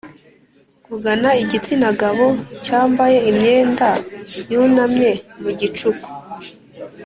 kugana igitsina gabo cyambaye imyenda yunamye, mu gicuku